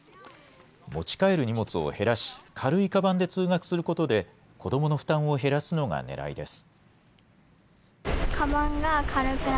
持ち帰る荷物を減らし、軽いかばんで通学することで、子どもの負担を減らすのがねらいです。